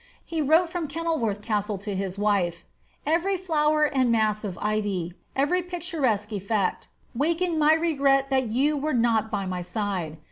He wrote from Kenilworth Castle to his wife, "Every flower and mass of ivy, every picturesque effect, waked my regret that you were not by my side....